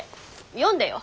読んでよ。